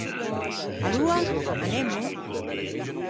Aloa, anemmo?